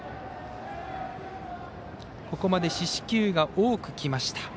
ここまで四死球が多くきました。